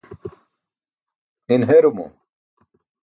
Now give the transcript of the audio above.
in herumo